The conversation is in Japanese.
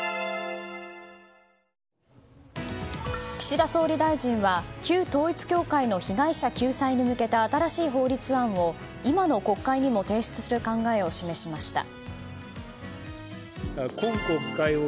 岸田総理大臣は旧統一教会の被害者救済に向けた新しい法律案を今の国会にも提出する考えを示しました。